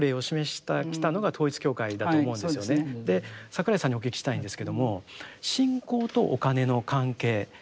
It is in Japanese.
で櫻井さんにお聞きしたいんですけども信仰とお金の関係。